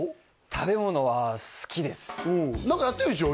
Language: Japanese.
食べ物は好きです何かやってるんでしょ？